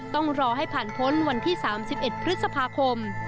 ต้องรอให้ผ่านพ้นวันที่๓๑พฤษภาคม